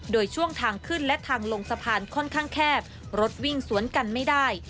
โดยช่วงทางขึ้นและทางลงสะพานค่อนข้างแคบรถวิ่งสวนกันไม่ได้